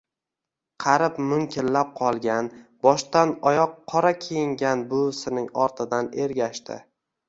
Qarib-munkillab qolgan, boshdan-oyoq qora kiyingan buvisining ortidan ergashdi…